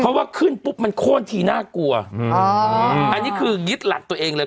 เพราะว่าขึ้นปุ๊บมันโค้นทีน่ากลัวอืมอ๋ออันนี้คือยึดหลักตัวเองเลย